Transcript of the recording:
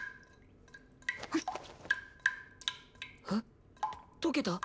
えっ溶けた？